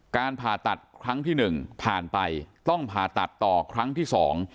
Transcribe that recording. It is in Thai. การผ่าตัดครั้งที่หนึ่งผ่านไปต้องผ่าตัดต่อครั้งที่สอง